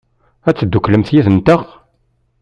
Ad tedduklemt yid-nteɣ?